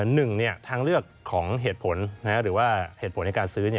หนึ่งทางเลือกของเหตุผลหรือว่าเหตุผลในการซื้อ